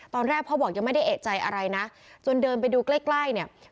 ตอนแรกพ่อบอกยังไม่ได้เอกใจอะไรนะจนเดินไปดูใกล้ใกล้เนี่ย